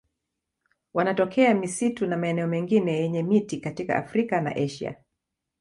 Wanatokea misitu na maeneo mengine yenye miti katika Afrika na Asia.